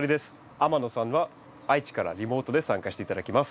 天野さんは愛知からリモートで参加して頂きます。